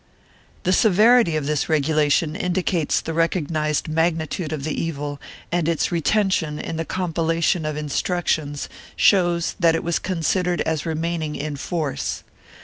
3 The severity of this regulation indicates the recognized magni tude of the evil, and its retention in the compilation of Instruc tions shows that it was considered as remaining in force.